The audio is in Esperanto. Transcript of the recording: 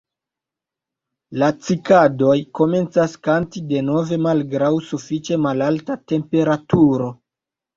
La Cikadoj komencas kanti denove malgraŭ sufiĉe malalta temperaturo.